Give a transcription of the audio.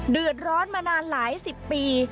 เดือดร้อนมานานหลายสิบปี